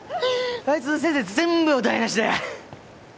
あいつのせいで全部台無しだ。